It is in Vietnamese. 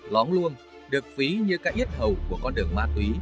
lóng luông được phí như cái yết hầu của con đường ma túy